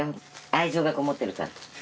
愛情がこもってるから。